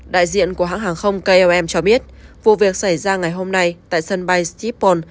đại diện của hãng hàng không klm cho biết vụ việc xảy ra ngày hôm nay tại sân bay stephone